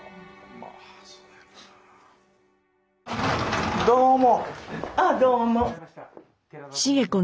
あどうも。